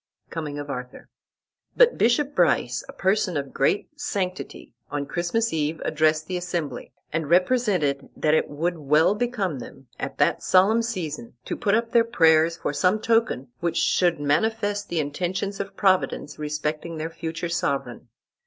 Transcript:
Coming of Arthur. But Bishop Brice, a person of great sanctity, on Christmas eve addressed the assembly, and represented that it would well become them, at that solemn season, to put up their prayers for some token which should manifest the intentions of Providence respecting their future sovereign.